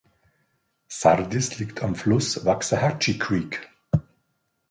Sardis liegt am Fluss Waxahachie Creek.